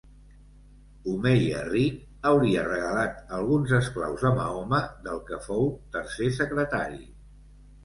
Omeia ric, hauria regalat alguns esclaus a Mahoma del que fou tercer secretari.